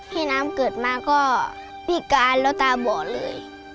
ให้น้ำเกิดมาก็พิการแล้วตาบอดเลย